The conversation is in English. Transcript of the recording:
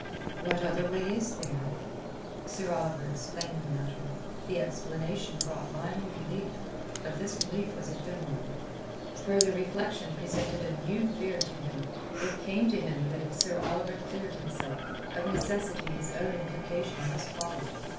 "What other way is there?" Sir Oliver explained the matter. The explanation brought Lionel relief. But this relief was ephemeral. Further reflection presented a new fear to him. It came to him that if Sir Oliver cleared himself, of necessity his own implication must follow.